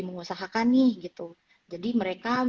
mengusahakan nih gitu jadi mereka